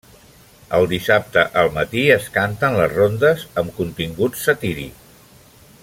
El Dissabte al matí es canten les rondes amb contingut satíric.